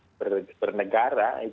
it juga berbeda sama concept portalking